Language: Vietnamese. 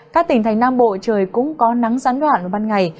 các tỉnh thành nam bộ trời cũng có nắng gián đoạn vào ban ngày